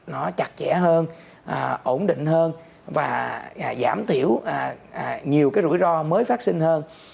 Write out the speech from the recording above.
nó chặt chẽ hơn ổn định hơn và giảm thiểu nhiều cái rủi ro mới vaccine hơn